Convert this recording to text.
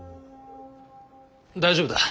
大丈夫だ。